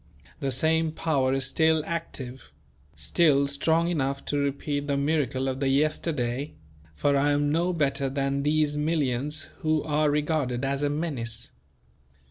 That same power is still active; still strong enough to repeat the miracle of the yesterday; for I am no better than these millions who are regarded as a menace.